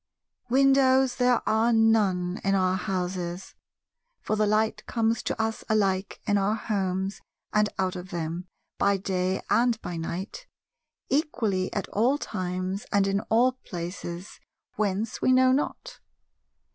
Windows there are none in our houses: for the light comes to us alike in our homes and out of them, by day and by night, equally at all times and in all places, whence we know not.